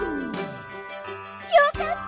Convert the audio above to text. よかった！